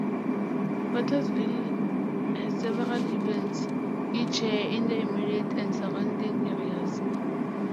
Portersville has several events each year in the immediate and surrounding areas.